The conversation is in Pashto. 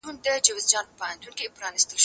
زه به واښه راوړلي وي؟